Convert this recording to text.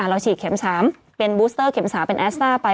เราฉีดเข็ม๓เป็นบูสเตอร์เข็ม๓เป็นแอสต้าไป